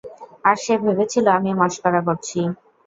আর সে ভেবেছিল আমি মশকরা করছি।